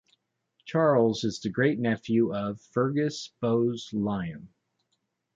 Charles is the great-nephew of Fergus Bowes-Lyon.